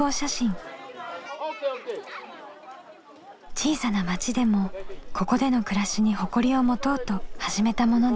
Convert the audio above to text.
小さな町でもここでの暮らしに誇りを持とうと始めたものです。